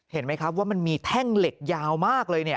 เห็นไหมครับว่ามันมีแท่งเหล็กยาวมากเลยเนี่ย